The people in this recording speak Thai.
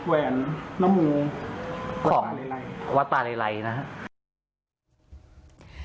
แหวนน้ำมูของวัดป่าเลลัยวัดป่าเลลัยนะครับ